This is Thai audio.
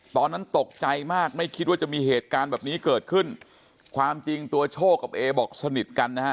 ตอนนั้นตกใจมากไม่คิดว่าจะมีเหตุการณ์แบบนี้เกิดขึ้นความจริงตัวโชคกับเอบอกสนิทกันนะฮะ